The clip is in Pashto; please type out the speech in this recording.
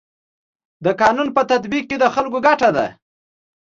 د قانون په تطبیق کي د خلکو ګټه ده.